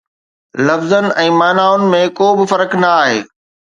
لفظن ۽ معنائن ۾ ڪو به فرق نه آهي